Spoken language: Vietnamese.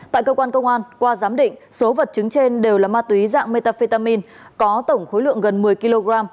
tại cơ quan công an qua giám định số vật chứng trên đều là ma túy dạng metafetamin có tổng khối lượng gần một mươi kg